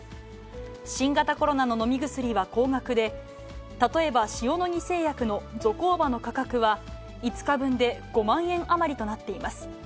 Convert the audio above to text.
新型コロナの飲み薬は高額で、例えば塩野義製薬のゾコーバの価格は、５日分で５万円余りとなっています。